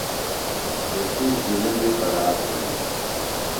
تسی سِینہ بیۡ خراب بِھلوۡ۔